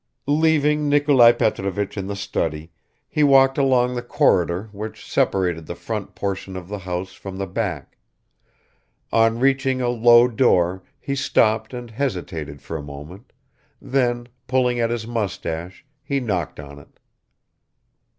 Leaving Nikolai Petrovich in the study, he walked along the corridor which separated the front portion of the house from the back; on reaching a low door he stopped and hesitated for a moment, then, pulling at his mustache, he knocked on it.